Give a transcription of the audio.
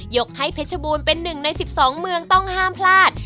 กให้เพชรบูรณ์เป็นหนึ่งใน๑๒เมืองต้องห้ามพลาด